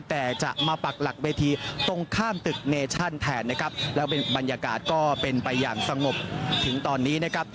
แต่จะมาปักหลักเวทีตรงข้ามตึกเนชั่นแทนนะครับแล้วบรรยากาศก็เป็นไปอย่างสงบถึงตอนนี้นะครับ